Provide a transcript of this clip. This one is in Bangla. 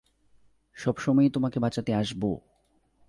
সবসময়ই তোমাকে বাঁচাতে আসবো।